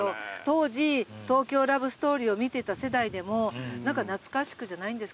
当時『東京ラブストーリー』を見てた世代でも何か懐かしくじゃないんですけど。